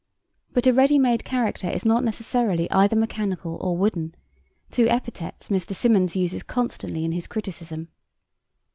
But a ready made character is not necessarily either mechanical or wooden, two epithets Mr. Symonds uses constantly in his criticism.